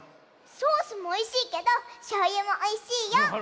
ソースもおいしいけどしょうゆもおいしいよ！